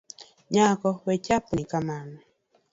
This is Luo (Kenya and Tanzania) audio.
Nyako wechapni kamano